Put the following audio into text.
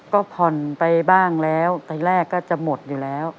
ก็ผ่อนไปบ้างแล้วแต่แรกก็จะหมดอยู่แล้ว